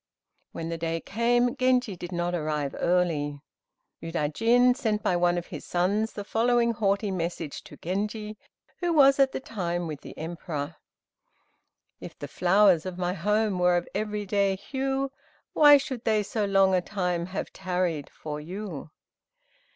When the day came Genji did not arrive early. Udaijin sent by one of his sons the following haughty message to Genji, who was at the time with the Emperor: "If the flowers of my home were of every day hue, Why should they so long a time have tarried for you?"